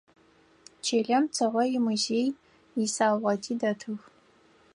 Чылэм Цыгъо имузеий исаугъэти дэтых.